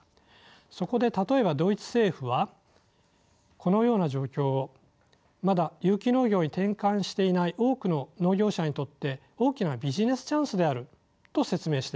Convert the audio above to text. そこで例えばドイツ政府はこのような状況をまだ有機農業に転換していない多くの農業者にとって大きなビジネスチャンスであると説明しています。